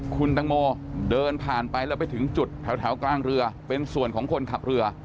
คุณตังโมเดินผ่านไปแล้วไปถึงจุดแถวกลางเรือเป็นส่วนของคนขับเรือ